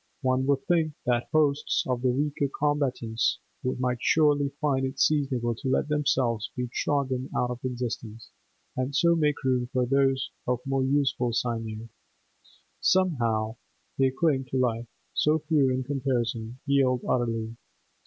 One would think that hosts of the weaker combatants might surely find it seasonable to let themselves be trodden out of existence, and so make room for those of more useful sinew; somehow they cling to life; so few in comparison yield utterly.